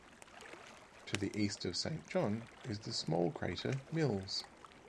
To the east of Saint John is the small crater Mills.